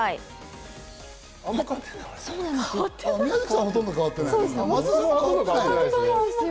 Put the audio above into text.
俺、あんま変わってない。